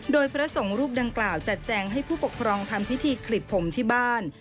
โดยพระสงฆ์รูปดังกล่าวจัดแจงให้ผู้ปกครองทำพิธีขลิบผมที่บ้าน